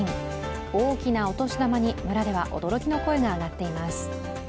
大きなお年玉に、村では驚きの声が上がっています。